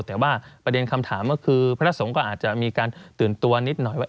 แต่ว่าประเด็นคำถามก็คือพระสงฆ์ก็อาจจะมีการตื่นตัวนิดหน่อยว่า